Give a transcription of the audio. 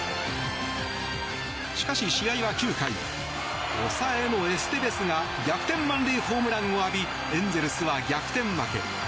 しかし、試合は９回抑えのエステベスが逆転満塁ホームランを浴びエンゼルスは逆転負け。